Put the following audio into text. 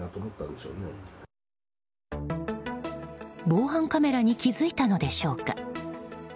防犯カメラに気付いたのでしょうか。